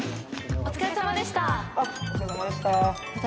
お疲れさまでした。